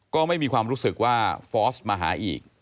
ก็ไม่มีความรู้สึกว่าฟอร์สมาหาอีก